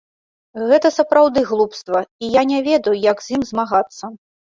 Гэта сапраўды глупства, і я не ведаю, як з ім змагацца.